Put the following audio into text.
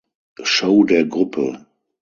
Show der Gruppe.